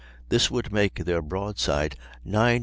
This would make their broadside 904 lbs.